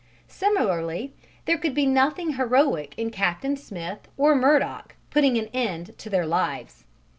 Similarly there could be nothing heroic in Captain Smith or Murdock putting an end to their lives.